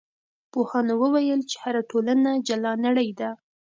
پوهانو وویل چې هره ټولنه جلا نړۍ ده.